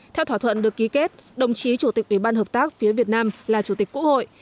theo thỏa thuận được ký kết đồng chí chủ tịch ủy ban hợp tác phía việt nam là chủ tịch quốc hội